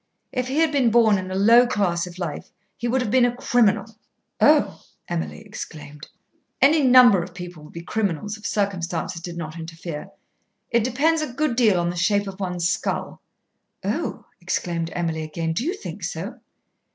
If he had been born in a low class of life, he would have been a criminal." "Oh!" Emily exclaimed. "Any number of people would be criminals if circumstances did not interfere. It depends a good deal on the shape of one's skull." "Oh!" exclaimed Emily again, "do you think so?"